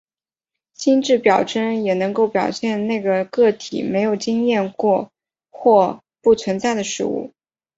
心智表征也能够表现那些个体没有经验过或不存在的事物。